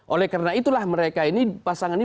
oleh karena itulah mereka ini pasangan ini